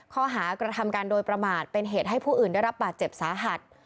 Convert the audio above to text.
ข้อหากระทำการโดยประมาทเป็นเหตุให้ผู้อื่นได้รับบาดเจ็บสาหัส